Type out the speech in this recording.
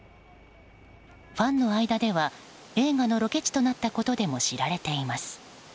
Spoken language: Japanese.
ファンの間では映画のロケ地となったことでも知られています。